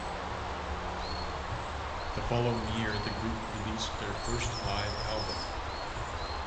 The following year, the group released their first live album.